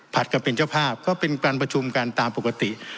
กับเป็นเจ้าภาพก็เป็นการประชุมกันตามปกติ